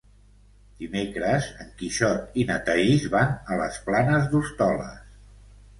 Dimecres en Quixot i na Thaís van a les Planes d'Hostoles.